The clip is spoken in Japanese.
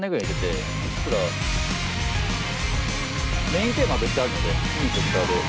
メインテーマは別にあるので。